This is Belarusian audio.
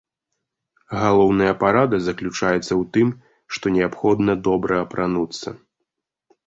Галоўная парада заключаецца ў тым, што неабходна добра апрануцца.